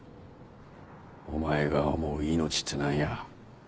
お前が思う命って何や？